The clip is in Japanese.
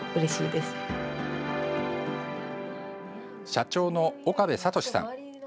社長の岡部聡史さん。